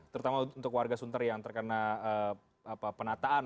terutama untuk warga sunter yang terkena penataan